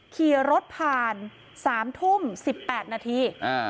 ขี่รถผ่าน๓ทุ่ม๑๘นาที